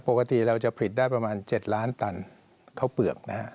ปกติเราจะผลิตได้ประมาณ๗ล้านตันข้าวเปลือกนะฮะ